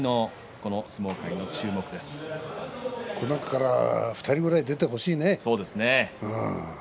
この中から２人ぐらい出てほしいね。